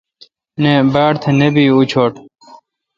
نہ باڑ تے نہ بی اوشٹ۔